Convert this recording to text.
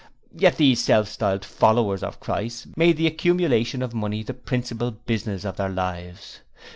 Yet all these self styled 'Followers' of Christ made the accumulation of money the principal business of their lives.